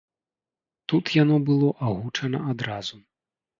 Тут яно было агучана адразу.